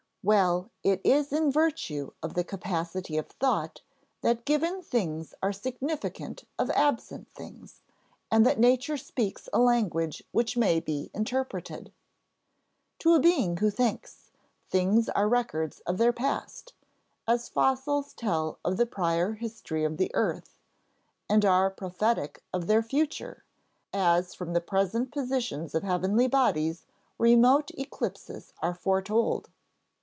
Well, it is in virtue of the capacity of thought that given things are significant of absent things, and that nature speaks a language which may be interpreted. To a being who thinks, things are records of their past, as fossils tell of the prior history of the earth, and are prophetic of their future, as from the present positions of heavenly bodies remote eclipses are foretold.